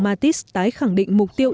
mattis tái khẳng định mục tiêu